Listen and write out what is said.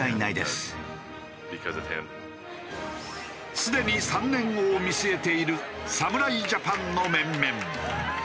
すでに３年後を見据えている侍ジャパンの面々。